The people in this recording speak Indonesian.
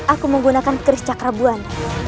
aku menggunakan keris cakrabuan